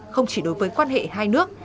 không chỉ đối với quan hệ hai nước